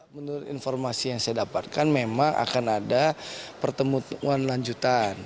menurut informasi yang saya dapatkan memang akan ada pertemuan lanjutan